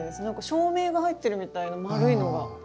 照明が入ってるみたいな丸いのが。